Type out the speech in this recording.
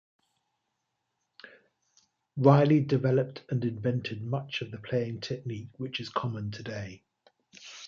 Reilly developed and invented much of the playing technique which is common today.